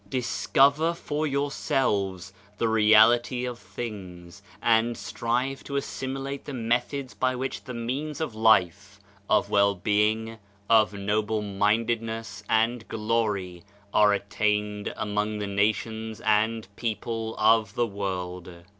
Discover for yourselves the reality of things, and strive to assimilate the methods by which the means of life, of well being, of noble mindedness and glory are attained among the nations and people of the world.